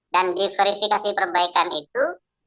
dan di verifikasi perbaikan itu